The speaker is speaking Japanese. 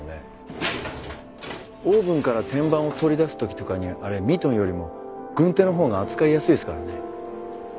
オーブンから天板を取り出す時とかにあれミトンよりも軍手のほうが扱いやすいですからね。